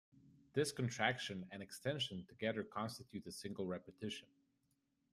This contraction and extension together constitute a single repetition.